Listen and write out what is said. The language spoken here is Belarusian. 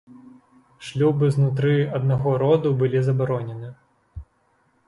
Шлюбы знутры аднаго роду былі забаронены.